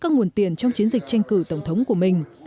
các nguồn tiền trong chiến dịch tranh cử tổng thống của mình